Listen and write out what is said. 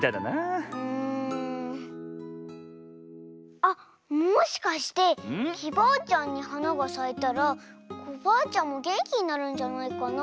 あっもしかしてきバアちゃんにはながさいたらコバアちゃんもげんきになるんじゃないかな？